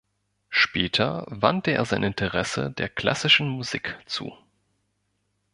Später wandte er sein Interesse der klassischen Musik zu.